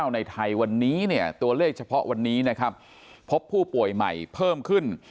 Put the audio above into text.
ในไทยวันนี้เนี่ยตัวเลขเฉพาะวันนี้นะครับพบผู้ป่วยใหม่เพิ่มขึ้น